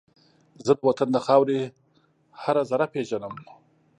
زه د وطن د خاورې هر زره پېژنم